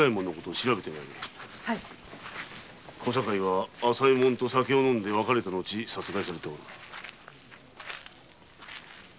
小堺は朝右衛門と酒を飲んで別れた後殺害されておるのだ。